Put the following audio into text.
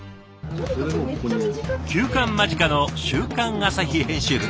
休刊間近の「週刊朝日」編集部。